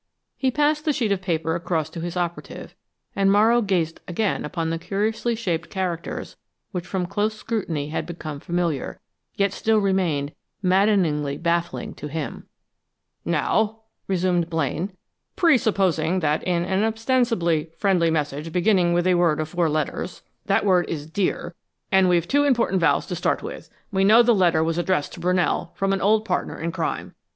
He passed the sheet of paper across to his operative and Morrow gazed again upon the curiously shaped characters which from close scrutiny had become familiar, yet still remained maddeningly baffling to him: [Illustration: An image of a coded message is shown here in the text.] "Now," resumed Blaine, "presupposing that in an ostensibly friendly message beginning with a word of four letters, that word is dear, and we've two important vowels to start with. We know the letter was addressed to Brunell, from an old partner in crime.